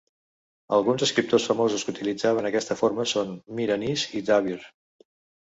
Alguns escriptors famosos que utilitzaven aquesta forma són Mir Anis i Dabeer.